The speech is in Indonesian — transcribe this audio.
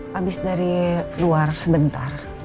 habis dari luar sebentar